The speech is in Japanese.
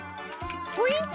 ポイント